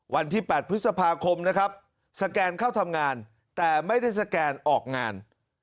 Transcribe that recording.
วันที่๘พฤษภาคมนะครับสแกนเข้าทำงานแต่ไม่ได้สแกนออกงาน